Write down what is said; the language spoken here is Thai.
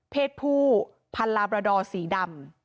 เพศผู้พันลาบราดอร์สีดำ